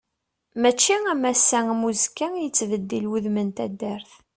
Mačči am ass-a am uzekka i yettbeddil wudem n taddart.